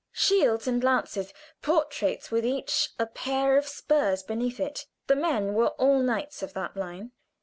Shields and lances, portraits with each a pair of spurs beneath it the men were all knights, of that line!